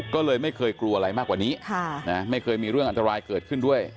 ก็เลยไม่เคยกลัวอะไรมากกว่านี้ไม่เคยมีเรื่องอันตรายเกิดขึ้นด้วย